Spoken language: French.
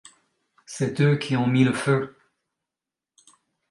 C’est eux qui ont mis le feu.